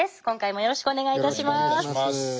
今回もよろしくお願いいたします。